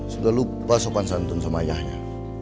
sudah lupa sopan santun sama ayahnya